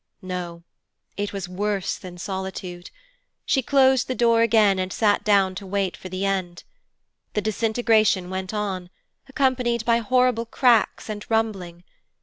No it was worse than solitude. She closed the door again and sat down to wait for the end. The disintegration went on, accompanied by horrible cracks and rumbling.